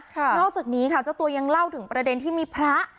นอกจากนี้ค่ะเจ้าตัวยังเล่าถึงประเด็นที่มีพระ